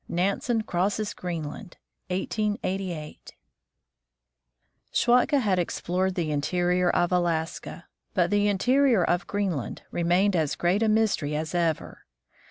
XVI. NANSEN CROSSES GREENLAND 1888 Schwatka had explored the interior of Alaska, but the interior of Greenland remained as great a mystery as ever.